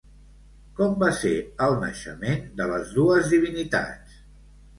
Com va ser el naixement de les dues divinitats?